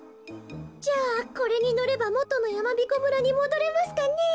じゃあこれにのればもとのやまびこ村にもどれますかねえ。